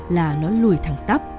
là nó lùi thẳng tắp